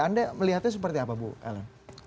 anda melihatnya seperti apa bu ellen